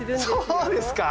そうですか？